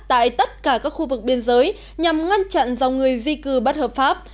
tại tất cả các khu vực biên giới nhằm ngăn chặn dòng người di cư bất hợp pháp